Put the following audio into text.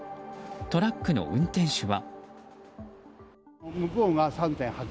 トラックの運転手は。